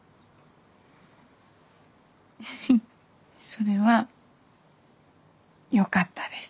フフそれはよかったです。